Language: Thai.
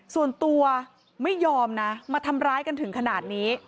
ส่วนตัวไม่ยอมนะมาทำร้ายกันถึงขนาดนี้